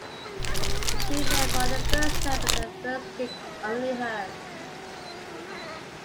The two met for the first time at their first gig, unrehearsed.